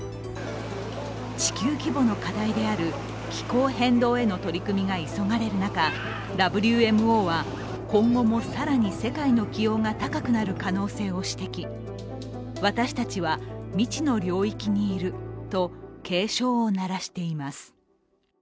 地球規模の課題である気候変動への取り組みが急がれる中、ＷＭＯは今後も更に世界の気温が高くなる可能性を指摘、私たちは未知の領域にいると警鐘を鳴らしています。